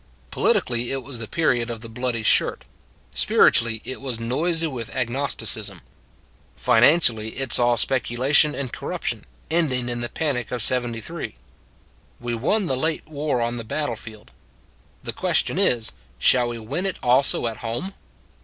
Politically it was the period of the bloody shirt: spiritually it was noisy with agnosticism: financially it saw speculation and corruption, ending in the panic of 73. We won the late war on the battle field. The question is, shall we win it also at home?